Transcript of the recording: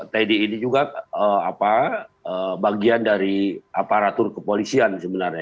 teddy ini juga bagian dari aparatur kepolisian sebenarnya